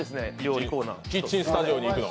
キッチンスタジオに行くの。